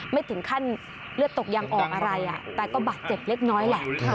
ไม่ถึงขั้นเลือดตกยังออกอะไรแต่ก็บาดเจ็บเล็กน้อยแหละ